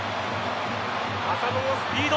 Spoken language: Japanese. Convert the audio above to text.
浅野のスピード。